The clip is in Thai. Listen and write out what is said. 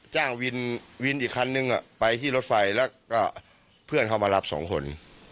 จ้างวินอีกคันหนึ่งอ่ะไปที่รถไฟแล้วก็เพื่อนเขามารับ๒คน